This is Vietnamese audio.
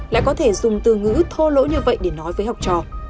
lại có thể dùng từ ngữ thô lỗ như vậy để nói với học trò